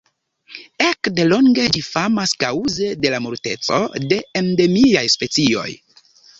Ekde longe ĝi famas kaŭze de la multeco da endemiaj specioj.